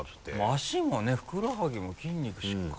足もねふくらはぎも筋肉しっかり。